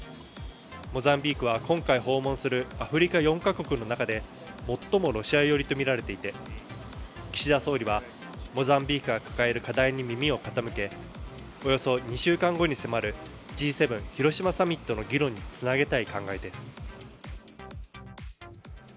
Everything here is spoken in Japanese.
モザンビークは今回訪問するアフリカ４か国の中で最もロシア寄りとみられていて岸田総理はモザンビークが抱える課題に耳を傾けおよそ２週間後に迫るＧ７広島サミットの議論につなげたい考えです。